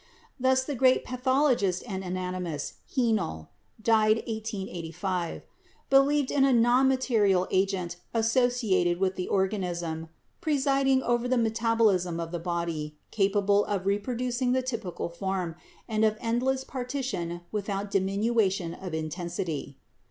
Thus the great pathologist and anatomist Henle (d. 1885) be lieved in a non material agent associated with the organ ism, 'presiding over the metabolism of the body, capable of reproducing the typical form, and of endless partition without diminution of intensity.'